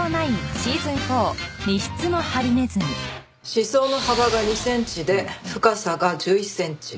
刺創の幅が２センチで深さが１１センチ。